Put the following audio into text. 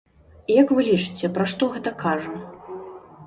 Як вы лічыце, пра што гэта кажа?